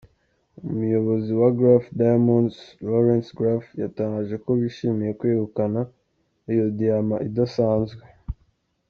Umuyobozi wa Graff Diamonds, Laurence Graff yatangaje ko bishimiye kwegukana iyo diamant idasanzwe.